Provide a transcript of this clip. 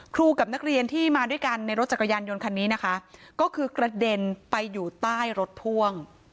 กับนักเรียนที่มาด้วยกันในรถจักรยานยนต์คันนี้นะคะก็คือกระเด็นไปอยู่ใต้รถพ่วง